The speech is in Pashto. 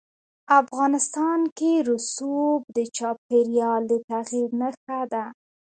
افغانستان کې رسوب د چاپېریال د تغیر نښه ده.